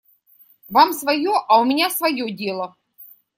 Вам свое, а у меня свое дело.